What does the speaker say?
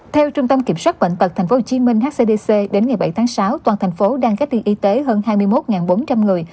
theo trung tâm kiểm soát bệnh tật tp hcm hcdc đến ngày bảy tháng sáu toàn thành phố đang cách ly y tế hơn hai mươi một bốn trăm linh người